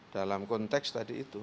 dalam konteks tadi itu